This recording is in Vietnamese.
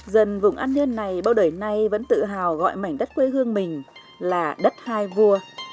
dân vùng an nhơn này bao đời nay vẫn tự hào gọi mảnh đất quê hương mình là đất hai vua